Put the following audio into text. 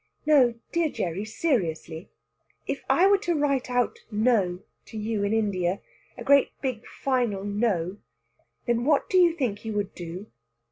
"No, dear Gerry, seriously. If I were to write out no to you in India a great big final NO then what do you think you would do?"